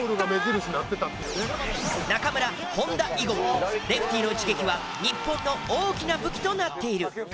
中村本田以後もレフティの一撃は日本の大きな武器となっている。